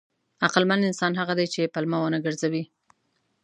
عقلمن انسان هغه دی چې پلمه ونه ګرځوي.